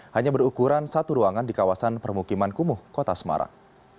hanya berukuran satu ruangan di kawasan permukiman kumuh kota semarang